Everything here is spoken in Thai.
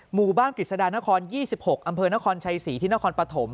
หมู่บ้านกฤษฎานคร๒๖อำเภอนครชัยศรีที่นครปฐม